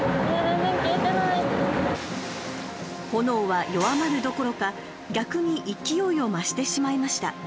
炎は弱まるどころか逆に勢いを増してしまいました。